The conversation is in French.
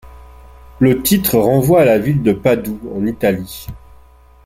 Le titre renvoie à la ville de Padoue, en Italie.